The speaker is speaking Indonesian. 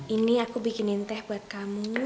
ini aku bikinin teh buat kamu